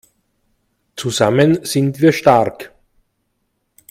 Zusammen sind wir stark!